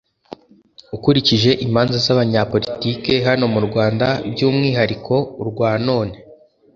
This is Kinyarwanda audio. ukurikije imanza z’abanyapolitike hano mu Rwanda by’umwihariko urwa none